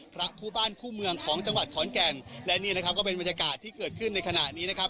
พระคู่บ้านคู่เมืองของจังหวัดขอนแก่นและนี่นะครับก็เป็นบรรยากาศที่เกิดขึ้นในขณะนี้นะครับ